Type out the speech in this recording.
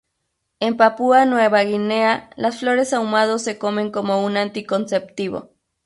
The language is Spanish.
En Papúa Nueva Guinea las flores ahumados se comen como un anticonceptivo.